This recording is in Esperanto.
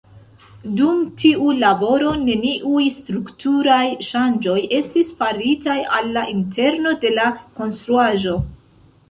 Dum tiu laboro, neniuj strukturaj ŝanĝoj estis faritaj al la interno de la konstruaĵo.